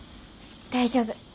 大丈夫。